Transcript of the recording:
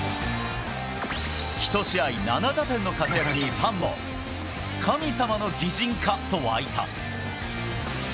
１試合７打点の活躍にファンも神様の擬人化と沸いた！